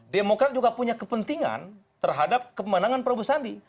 demokrat juga punya kepentingan terhadap kemenangan prabowo sandi